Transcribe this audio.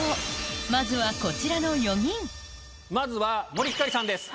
まずはこちらの４人まずは森星さんです。